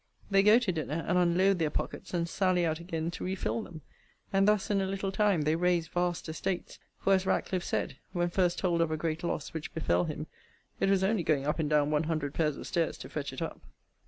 They go to dinner and unload their pockets; and sally out again to refill them. And thus, in a little time, they raise vast estates; for, as Ratcliffe said, when first told of a great loss which befell him, It was only going up and down one hundred pairs of stairs to fetch it up.